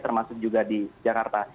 termasuk juga di jakarta